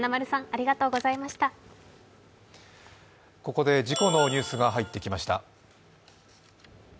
ここで事故のニュースが入ってきました。